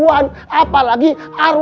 maksudnya rewel gitu